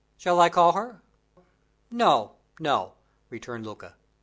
"Shall I call her?" "No, no!" returned Luca.